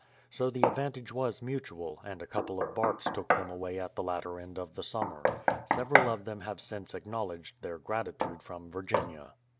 So the advantage was mutual, and a couple of barks took them away at the latter end of the summer. Several of them have since acknowledged their gratitude from Virginia.